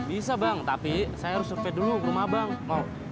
bisa bang tapi saya harus survei dulu ke rumah bang